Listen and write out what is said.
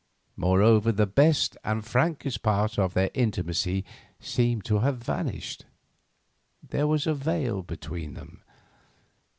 Moreover, the best and frankest part of their intimacy seemed to have vanished. There was a veil between them.